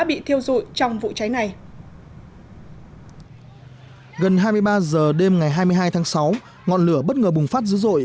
bị thiêu dội trong vụ cháy này gần hai mươi ba h đêm ngày hai mươi hai tháng sáu ngọn lửa bất ngờ bùng phát dữ dội